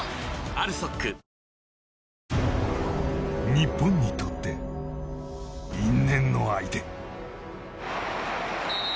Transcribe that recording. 日本にとって因縁の相手。